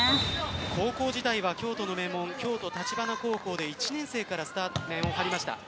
高校時代は京都の名門京都橘高校で１年生からスタメンを張りました。